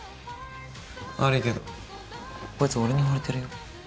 悪いけどこいつ俺にほれてるよ？